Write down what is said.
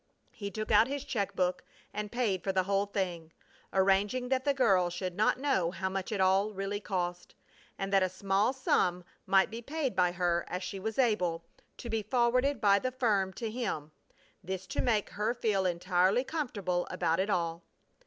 He took out his check book and paid for the whole thing, arranging that the girl should not know how much it all really cost, and that a small sum might be paid by her as she was able, to be forwarded by the firm to him; this to make her feel entirely comfortable about it all.